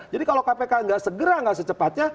jadi kalau kpk nggak segera nggak secepatnya